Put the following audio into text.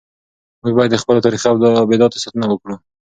موږ باید د خپلو تاریخي ابداتو ساتنه وکړو.